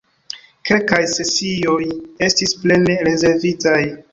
Kelkaj sesioj estis plene rezervitaj!